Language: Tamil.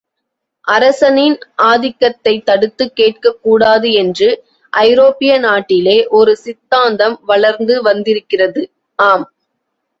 அரசனின் ஆதிக்கத்தைத் தடுத்துக் கேட்கக் கூடாது என்று ஐரோப்பிய நாட்டிலே ஒரு சித்தாந்தம் வளர்ந்து வந்திருக்கிறது ஆம்.